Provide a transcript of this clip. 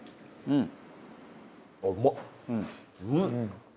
うん！